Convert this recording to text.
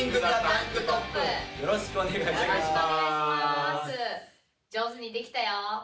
よろしくお願いします。